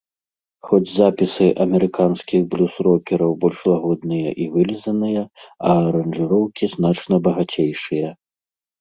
Хоць запісы амерыканскіх блюз-рокераў больш лагодныя і вылізаныя, а аранжыроўкі значна багацейшыя.